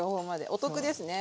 お得ですね